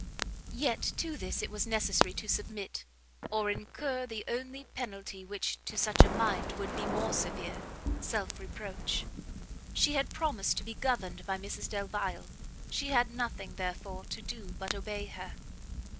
Yet to this it was necessary to submit, or incur the only penalty which, to such a mind, would be more severe, self reproach: she had promised to be governed by Mrs Delvile, she had nothing, therefore, to do but obey her.